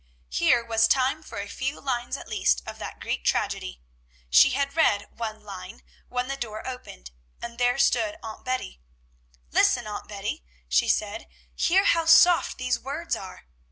Here was time for a few lines at least of that Greek tragedy. She had read one line, when the door opened, and there stood Aunt Betty. "Listen, Aunt Betty!" she said. "Hear how soft these words are."